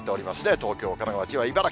東京、神奈川、千葉、茨城。